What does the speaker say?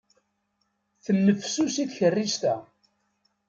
Tennefsusi tkerrist-a.